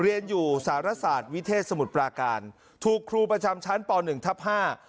เรียนอยู่สารศาสตร์วิเทศสมุทรปราการถูกครูประจำชั้นปหนึ่งทับห้า